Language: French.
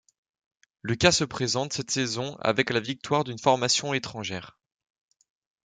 Le cas se présente cette saison avec la victoire d'une formation étrangère.